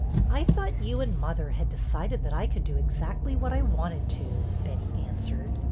'' I thought you and mother had decided that I could do exactly what I wanted to," Betty answered.